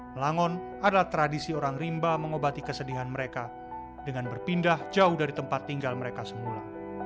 melangon adalah tradisi orang rimba mengobati kesedihan mereka dengan berpindah jauh dari tempat tinggal mereka semula